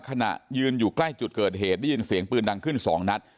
ขณะยืนอยู่ใกล้จุดเกิดเหตุได้ยินเสียงปืนดังขึ้น๒นัด